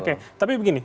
oke tapi begini